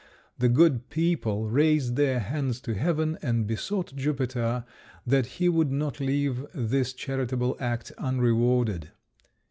The good people raised their hands to heaven, and besought Jupiter that he would not leave this charitable act unrewarded.